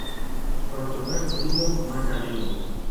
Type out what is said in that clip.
Cuanto más primo, más me arrimo